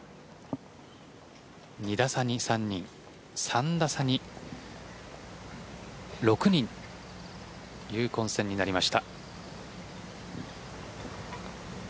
２打差に３人３打差に６人という混戦になりました。